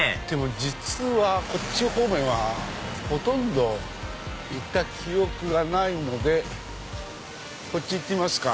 実はこっち方面はほとんど行った記憶がないのでこっち行ってみますか。